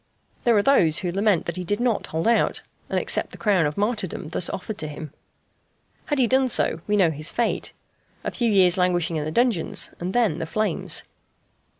There are those who lament that he did not hold out, and accept the crown of martyrdom thus offered to him. Had he done so we know his fate a few years' languishing in the dungeons, and then the flames.